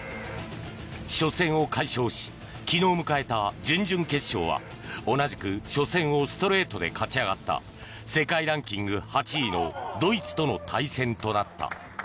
初戦を快勝し昨日迎えた準々決勝は同じく初戦をストレートで勝ち上がった世界ランキング８位のドイツとの対戦となった。